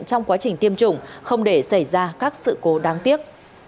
trong quá trình tiêm chủng không để xảy ra các sự cố đáng tiếc